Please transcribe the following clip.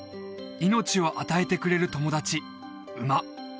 命を与えてくれる友達馬